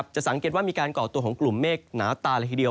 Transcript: จะสังเกตว่ามีการก่อกลวงเมฆน้าตาละทีเดียว